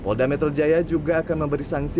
pol dametrujaya juga akan memberi sanksi